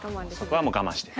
そこはもう我慢して。